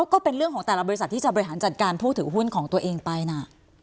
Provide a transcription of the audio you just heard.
ก็เป็นเรื่องของแต่ละบริษัทที่จะบริหารจัดการผู้ถือหุ้นของตัวเองไปนะ